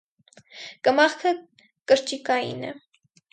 Կմախքը կրճիկային է։